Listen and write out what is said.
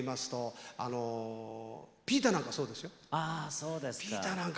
そうですか。